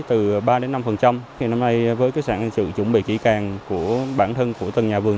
từ ba đến năm thì năm nay với sự chuẩn bị kỹ càng của bản thân của từng nhà vườn